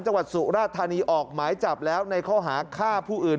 จังหวัดสุราธานีออกหมายจับแล้วในข้อหาฆ่าผู้อื่น